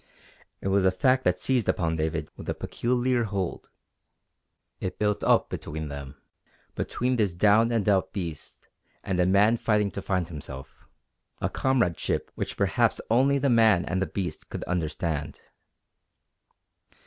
It was a fact that seized upon David with a peculiar hold. It built up between them between this down and out beast and a man fighting to find himself a comradeship which perhaps only the man and the beast could understand.